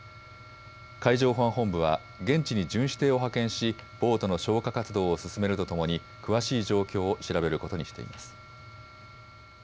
海上保安本部は、現地に巡視艇を派遣し、ボートの消火活動を進めるとともに、詳しい状況を調べることにしています。